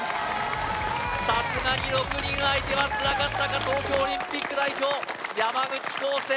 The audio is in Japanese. さすがに６人相手はつらかったか東京オリンピック代表山口浩勢